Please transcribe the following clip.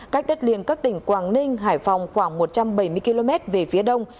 cách đất liền các tỉnh quảng ninh hải phòng khoảng một trăm bảy mươi km về phía đông